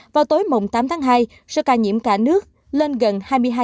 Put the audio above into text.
vào tối tám tháng hai số ca nhiễm cả nước lên gần hai mươi hai